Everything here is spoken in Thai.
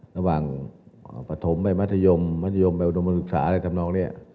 ระหว่างปฐมมัธยมอุดมศึกษาทำนองนี้